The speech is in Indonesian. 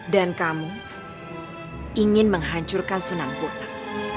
dan kamu ingin menghancurkan sunan purnam